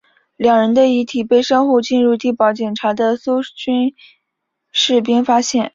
两人的遗体被稍后进入地堡检查的苏军士兵发现。